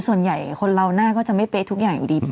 ส่วนใหญ่คนเราหน้าก็จะไม่เป๊ะทุกอย่างอยู่ดี